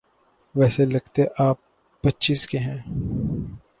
ویسے لگتے آپ پچیس کے ہیں۔